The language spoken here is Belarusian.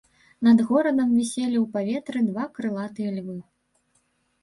Над горадам віселі ў паветры два крылатыя львы.